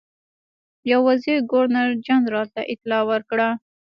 یو وزیر ګورنر جنرال ته اطلاع ورکړه.